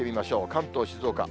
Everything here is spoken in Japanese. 関東、静岡。